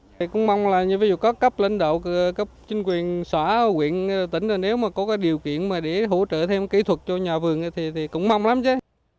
xóa huyện tỉnh nếu có điều kiện để hỗ trợ thêm kỹ thuật cho nhà vườn thì cũng mong lắm chứ